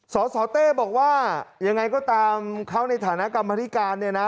สสเต้บอกว่ายังไงก็ตามเขาในฐานะกรรมธิการเนี่ยนะ